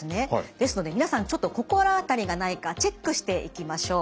ですので皆さんちょっと心当たりがないかチェックしていきましょう。